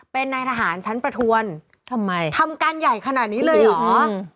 เป็นนายทหารชั้นประทวนทำไมทำการใหญ่ขนาดนี้เลยเหรอ